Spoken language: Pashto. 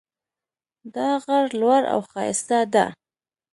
دا غر لوړ او ښایسته ده